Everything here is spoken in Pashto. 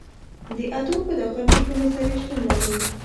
د اتوم په داخل کې کومې ذرې شتون لري.